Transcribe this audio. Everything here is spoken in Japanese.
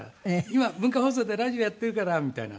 「今文化放送でラジオやっているから」みたいな。